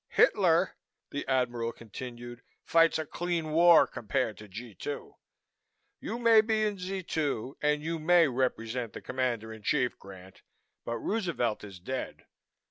Hitler," the Admiral continued, "fights a clean war compared to G 2. You may be in Z 2 and you may represent the Commander in Chief, Grant, but Roosevelt is dead.